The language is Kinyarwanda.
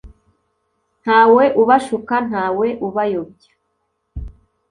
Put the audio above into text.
ntawe ubashuka ntawe ubayobya